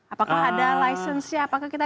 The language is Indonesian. apakah ada license nya